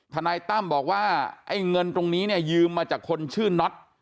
นายตั้มบอกว่าไอ้เงินตรงนี้เนี่ยยืมมาจากคนชื่อน็อต